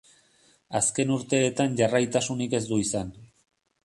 Azken urteetan jarraitasunik ez du izan.